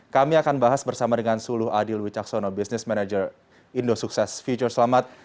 kami akan bahas bersama dengan suluh adil wicaksono business manager indosukses future selamat